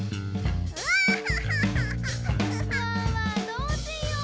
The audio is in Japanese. どうしよう？